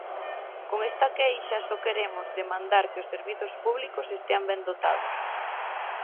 Con esta queixa só queremos "demandar que os servizos públicos estean ben dotados".